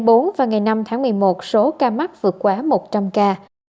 trong ngày năm tháng một mươi một số ca mắc vượt quá một trăm linh ca